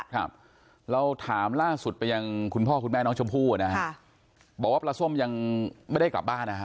ครับเราถามล่าสุดไปยังคุณพ่อคุณแม่น้องชมพู่นะฮะบอกว่าปลาส้มยังไม่ได้กลับบ้านนะฮะ